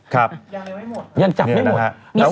ครับยังจับไม่หมด